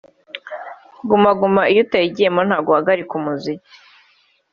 Guma Guma iyo utayigiyemo ntabwo uhagarika umuziki